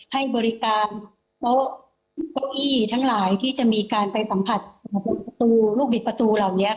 ให้บริการโต๊ะเก้าอี้ทั้งหลายที่จะมีการไปสัมผัสประตูลูกบิดประตูเหล่านี้